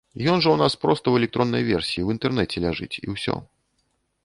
Ён жа ў нас проста ў электроннай версіі ў інтэрнэце ляжыць, і ўсё.